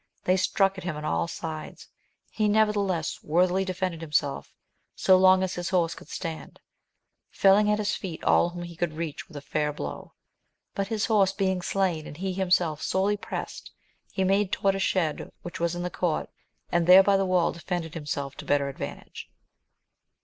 They struck at him on all sides ; he neverthe less worthily defended himself so long as his horse could stand, felling at his feet all whom he could reach with a fair blow ; but his horse being slain, and he himself sorely prest, he made toward a shed which was in the court, and there by the wall defended himself to better advantage.